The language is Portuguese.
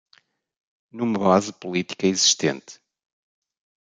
Numa base política existente